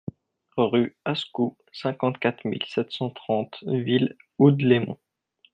Rue Ascou, cinquante-quatre mille sept cent trente Ville-Houdlémont